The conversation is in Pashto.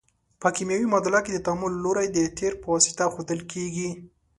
په کیمیاوي معادله کې د تعامل لوری د تیر په واسطه ښودل کیږي.